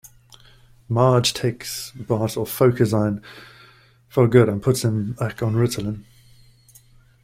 Marge takes Bart off Focusyn for good and puts him back on Ritalin.